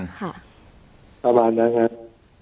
ประมาณนั้นครับ